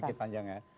ya dikit panjang ya